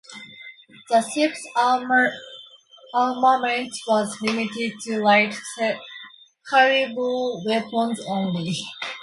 The ship's armament was limited to light calibre weapons only.